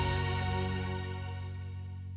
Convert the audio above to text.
jadi ibu bisa ngelakuin ibu bisa ngelakuin